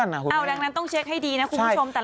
อย่างนั้นต้องเช็คให้ดีนะคุณผู้ชมแต่ละรวด